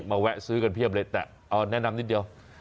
แวะซื้อกันเพียบเลยแต่เอาแนะนำนิดเดียว